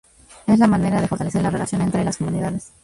Es la manera de fortalecer la relación entre las comunidades.